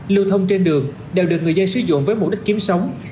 lưu thông trên đường đều được người dân sử dụng với mục đích kiếm sống